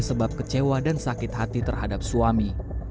sebab kecewa dan sakit hati terhadap suami